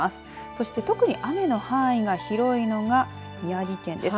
そして特に雨の範囲が広いのが宮城県です。